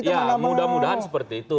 ya mudah mudahan seperti itu